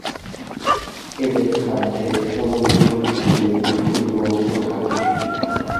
এদের খাদ্যে অমেরুদণ্ডী প্রাণীর একটি ক্ষুদ্র অংশ থাকে।